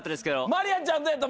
まりあちゃんどうやった？